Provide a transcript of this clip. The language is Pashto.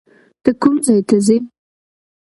ته کوم ځای ته ځې؟